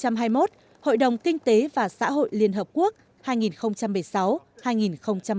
hội đồng kinh tế và xã hội liên hợp quốc hai nghìn bảy mươi sáu hai nghìn một mươi tám